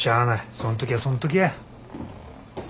そん時はそん時や。